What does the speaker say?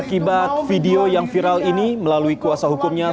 akibat video yang viral ini melalui kuasa hukumnya